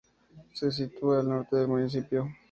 Se sitúa al norte del municipio.